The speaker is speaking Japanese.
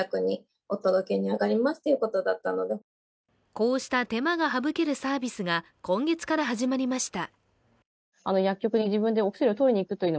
こうした手間が省けるサービスが今月から始まりました。